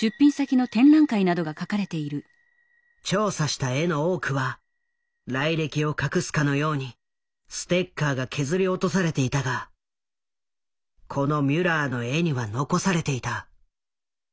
調査した絵の多くは来歴を隠すかのようにステッカーが削り落とされていたがこのミュラーの絵には残されていた。